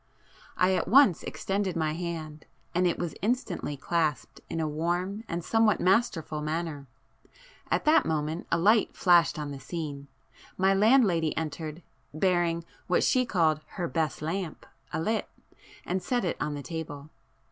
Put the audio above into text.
I at once extended my hand, and it was instantly clasped in a warm and somewhat masterful manner. At that moment a light flashed on the scene,—my landlady entered, bearing what she called 'her best lamp' alit, and set it on the table.